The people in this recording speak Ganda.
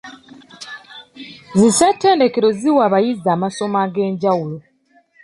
Zi ssettendekero ziwa abayizi amasomo ag'enjawulo.